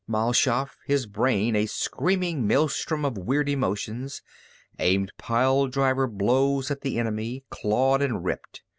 Mal Shaff, his brain a screaming maelstrom of weird emotions, aimed pile driver blows at the enemy, clawed and ripped.